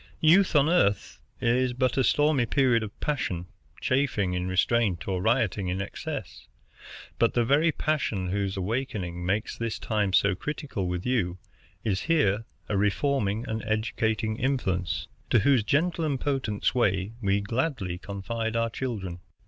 Youth on Earth is a stormy period of passion, chafing in restraint or rioting in excess. But the very passion whose awaking makes this time so critical with you is here a reforming and educating influence, to whose gentle and potent sway we gladly confide our children.